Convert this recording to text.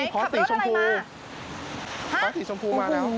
ขับรถสีชมพูมาแล้ว